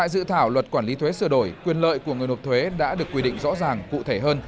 dự thảo luật quản lý thuế sửa đổi quyền lợi của người nộp thuế đã được quy định rõ ràng cụ thể hơn